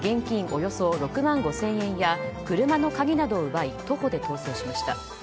およそ６万５０００円や車の鍵などを奪い徒歩で逃走しました。